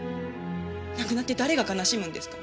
亡くなって誰が悲しむんですか？